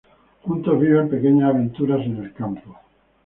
Juntos viven pequeñas aventuras en el campo.